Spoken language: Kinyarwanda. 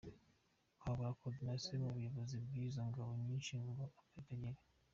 Habura Coordination mu buyobozi bw’izo ngabo nyinshi ako kageni.